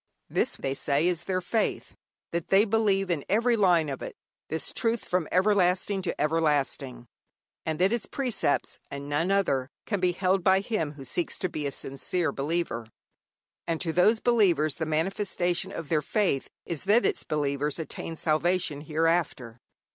This, they say, is their faith: that they believe in every line of it, this truth from everlasting to everlasting, and that its precepts, and none other, can be held by him who seeks to be a sincere believer. And to these believers the manifestation of their faith is that its believers attain salvation hereafter.